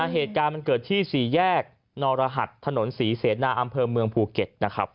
เหตุการณ์มันเกิดที่๔แยกนรหัสถนนศรีเสนาอำเภอเมืองภูเก็ตนะครับ